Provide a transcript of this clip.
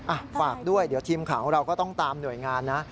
ฝากด้วยเดี๋ยวทีมข่าวของเราก็ต้องตามหน่วยงานนะ